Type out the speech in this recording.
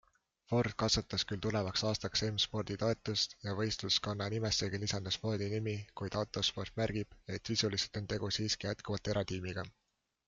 Ford kasvatas küll tulevaks aastaks M-Spordi toetust ja võistkonna nimessegi lisandus Fordi nimi, kuid Autosport märgib, et sisuliselt on tegu siiski jätkuvalt eratiimiga.